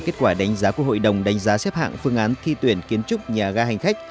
kết quả đánh giá của hội đồng đánh giá xếp hạng phương án thi tuyển kiến trúc nhà ga hành khách